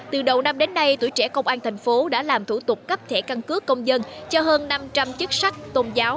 từ đầu năm đến nay tuổi trẻ công an thành phố đã làm thủ tục cấp thẻ căn cước công dân cho hơn năm trăm linh chức sắc tôn giáo